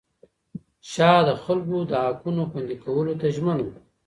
شاه د خلکو د حقونو خوندي کولو ته ژمن و.